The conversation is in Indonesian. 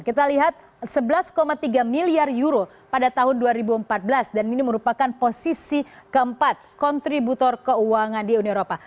kita lihat sebelas tiga miliar euro pada tahun dua ribu empat belas dan ini merupakan posisi keempat kontributor keuangan di uni eropa